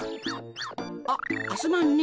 あっすまんね。